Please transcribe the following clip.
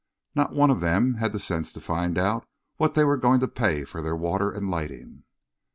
Not one of them had the sense to find out what they were going to pay for their water and lighting."